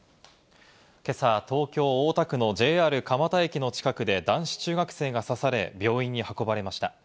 今朝、東京・大田区のＪＲ蒲田駅の近くで男子中学生が刺され、病院に運ばれました。